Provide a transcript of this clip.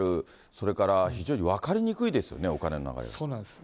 それから非常に分かりにくいですよね、そうなんです。